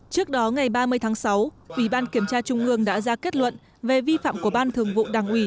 trước đó ngày ba mươi tháng sáu ủy ban kiểm tra trung ương đã ra kết luận về vi phạm của ban thường vụ đảng ủy